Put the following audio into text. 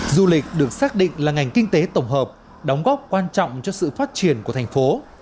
du lịch được xác định là ngành kinh tế tổng hợp đóng góp quan trọng cho sự phát triển của thành phố